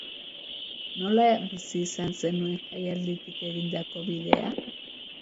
Nola bizi izan zenuen jaialditik egindako bidea?